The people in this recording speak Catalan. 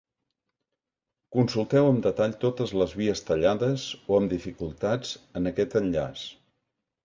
Consulteu amb detall totes les vies tallades o amb dificultats en aquest enllaç.